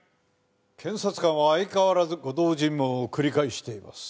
検察官は相変わらず誤導尋問を繰り返しています。